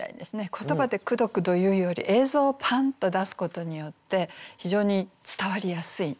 言葉でくどくど言うより映像をパンッと出すことによって非常に伝わりやすいんですね